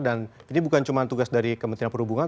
dan ini bukan cuma tugas dari kementerian perhubungan